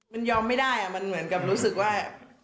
มันยอมไม่ได้มันเหมือนกับรู้สึกว่า